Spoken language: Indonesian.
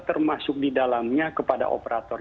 termasuk di dalamnya kepada operator